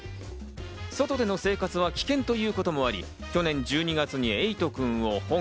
外での生活は危険ということもあり、去年１２月にエイトくんを保護。